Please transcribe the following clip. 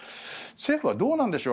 政府はどうなんでしょう。